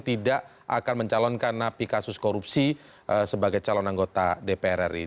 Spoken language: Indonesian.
tidak akan mencalonkan napi kasus korupsi sebagai calon anggota dpr ri